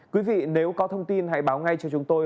quý vị nếu có thông tin hãy báo ngay cho chúng tôi